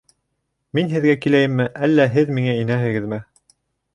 Мин һеҙгә киләйемме, әллә һеҙ миңә инәһегеҙме?